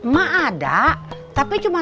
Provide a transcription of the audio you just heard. mak ada tapi cuma satu ratus lima puluh